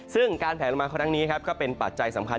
ซึ่งการแผลลงมาครั้งนี้ก็เป็นปัจจัยสำคัญ